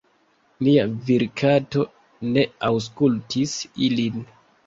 Nia virkato ne aŭskultis ilin.